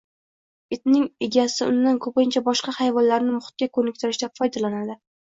Itning egasi undan ko‘pincha boshqa hayvonlarni muhitga ko‘niktirishda foydalanadi